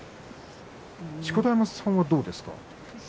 錣山さんは、どうですか。